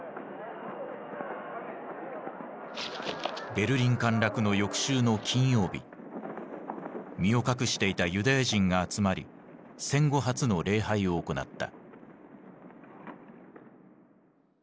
ベルリン陥落の翌週の金曜日身を隠していたユダヤ人が集まり戦後初の礼拝を行った。